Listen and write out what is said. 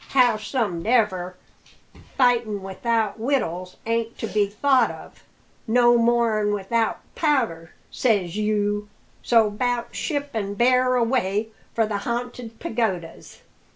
"Howsomedever, fightin' without wittles ain't to be thought of, no more'n without powder, says you; so 'bout ship an' bear away for the Ha'nted Pagodas!"